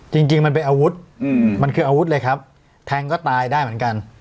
จริงจริงมันเป็นอาวุธมันคืออาวุธเลยครับแทงก็ตายได้เหมือนกัน